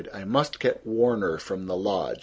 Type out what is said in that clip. "I must get Warner from the lodge.